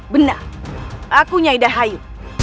benar aku nyai dahayu